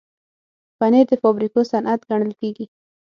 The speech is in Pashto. پنېر د فابریکو صنعت ګڼل کېږي.